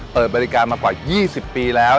เปิดบริการมากว่า๒๐ปีแล้ว